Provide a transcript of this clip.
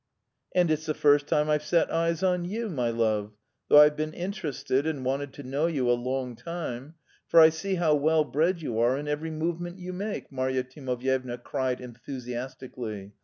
"And it's the first time I've set eyes on you, my love, though I've been interested and wanted to know you a long time, for I see how well bred you are in every movement you make," Marya Timofyevna cried enthusiastically.